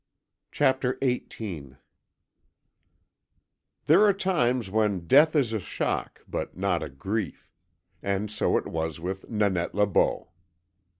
CHAPTER EIGHTEEN There are times when death is a shock, but not a grief. And so it was with Nanette Le Beau.